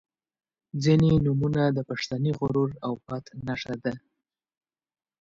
• ځینې نومونه د پښتني غرور او پت نښه ده.